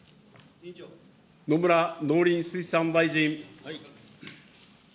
野村農林水産大臣。